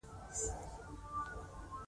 لومړی مقدماتي ناستې د متخصصینو لخوا کیږي